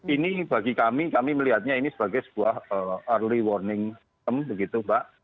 ini bagi kami kami melihatnya ini sebagai sebuah early warning system begitu mbak